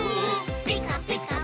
「ピカピカブ！」